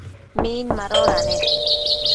Min madoda nec ?